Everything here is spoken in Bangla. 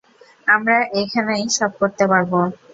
আমরা এখানেই সব করতে পারব।